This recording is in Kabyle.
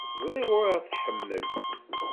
Ẓriɣ ur aɣ-tḥemmel.